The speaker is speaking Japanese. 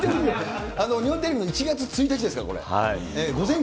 日本テレビの１月１日ですから、これ。